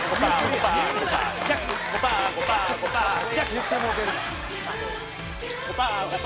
「言ってもうてるな」